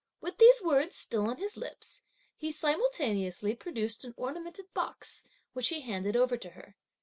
With these words still on his lips, he simultaneously produced an ornamented box, which he handed over to her.